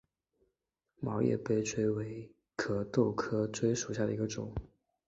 毛叶杯锥为壳斗科锥属下的一个种。